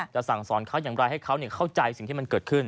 สั่งสอนเขาอย่างไรให้เขาเข้าใจสิ่งที่มันเกิดขึ้น